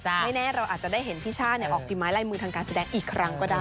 ไม่แน่เราอาจจะได้เห็นพี่ช่าออกฝีไม้ไล่มือทางการแสดงอีกครั้งก็ได้